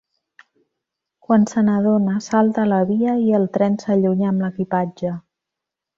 Quan se n'adona, salta a la via i el tren s'allunya amb l'equipatge.